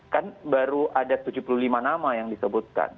kan baru ada tujuh puluh lima nama yang disebutkan